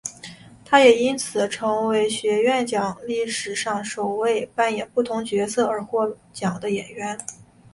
她也因此成为学院奖历史上首位扮演不同性别角色而获奖的演员。